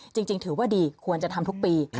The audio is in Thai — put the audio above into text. จริงถือว่าดีควรจะทำทุกปี